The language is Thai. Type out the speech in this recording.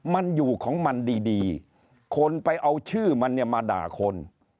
มันอยู่ของมันดีคนไปเอาชื่อมันเนี่ยมาด่าคน